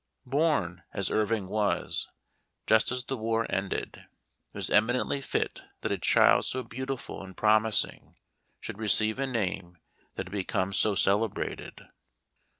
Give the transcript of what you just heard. Born, as Irving was, just as the war ended, it was eminently fit that a child so beau tiful and promising should receive a name that had become so celebrated.